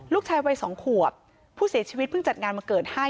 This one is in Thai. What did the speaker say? ลูกชายวัย๒ขวบผู้เสียชีวิตเพิ่งจัดงานมาเกิดให้